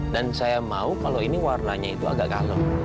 dan saya mau kalau ini warnanya itu agak kalem